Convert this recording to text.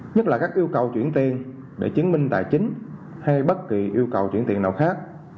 nhất là các yêu cầu chuyển tiền để chứng minh tài chính hay bất kỳ yêu cầu chuyển tiền nào khác